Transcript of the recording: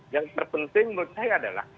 yang terpenting menurut saya adalah